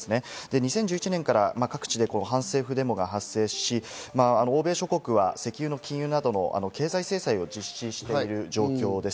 ２０１１年から各地で反政府デモが発生し、欧米諸国は石油の禁輸などの経済制裁を実施している状況です。